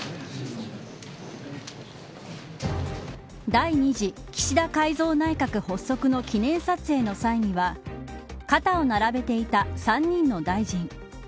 第２次岸田改造内閣発足の記念撮影の際には肩を並べていた３人の大臣。